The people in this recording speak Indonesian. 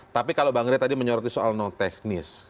tapi kalau bang rey tadi menyoroti soal non teknis